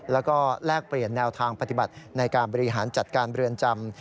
แล้วก็แลกเปลี่ยนแนวทางปฏิบัติในการบริหารจัดการเรือนจำ